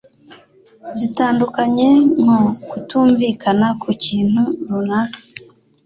zitandukanye nko kutumvikana ku kintu runaka